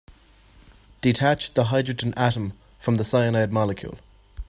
Detach the hydrogen atom from the cyanide molecule.